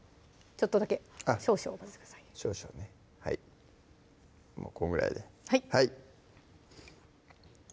ちょっとだけ少々少々ねこんぐらいではい